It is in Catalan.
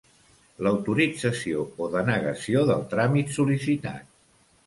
L'autorització o denegació del tràmit sol·licitat.